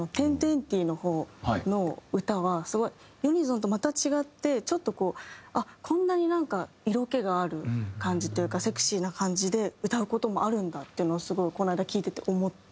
ＸＩＩＸの方の歌はスゴいユニゾンとまた違ってちょっとこうこんなになんか色気がある感じというかセクシーな感じで歌う事もあるんだっていうのをこの間聴いてて思って。